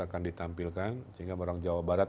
akan ditampilkan sehingga orang jawa barat